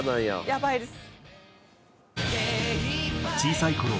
やばいです。